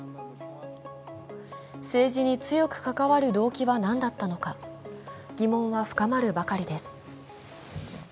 政治に強く関わる動機は何だったのか、疑問は深まるばかりです。